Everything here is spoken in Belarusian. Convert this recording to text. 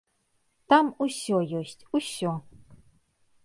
Там усё ёсць, усё!